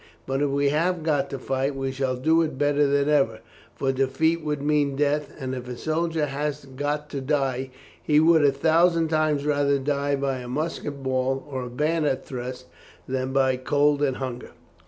But if we have got to fight we shall do it better than ever, for defeat would mean death; and if a soldier has got to die, he would a thousand times rather die by a musket ball or a bayonet thrust than by cold and hunger.